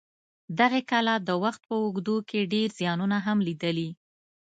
دغې کلا د وخت په اوږدو کې ډېر زیانونه هم لیدلي.